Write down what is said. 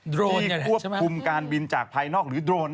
ที่ควบคุมการบินจากภายนอกหรือโดรน